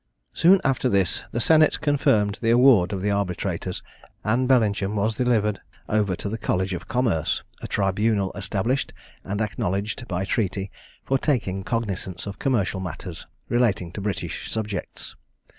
Soon after this the senate confirmed the award of the arbitrators, and Bellingham was delivered over to the College of Commerce, a tribunal established, and acknowledged by treaty, for taking cognizance of commercial matters relating to British subjects.